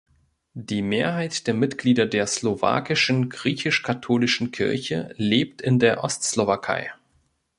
Die Mehrheit der Mitglieder der slowakischen griechisch-katholischen Kirche lebt in der Ostslowakei.